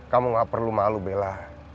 kamu gak perlu malu bela